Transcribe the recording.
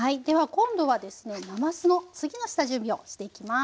今度はですねなますの次の下準備をしていきます。